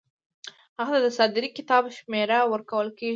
هغه ته د صادرې کتاب شمیره ورکول کیږي.